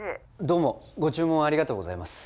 どうも注文ありがとうございます。